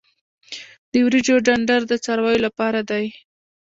د وریجو ډنډر د څارویو لپاره دی.